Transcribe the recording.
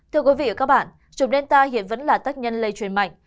thưa quý vị và các bạn chủng delta hiện vẫn là tác nhân lây truyền mạnh